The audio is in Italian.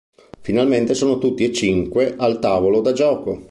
Finalmente sono tutti e cinque al tavolo da gioco.